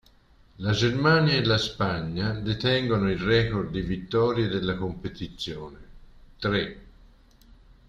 La Germania e la Spagna detengono il record di vittorie della competizione, tre.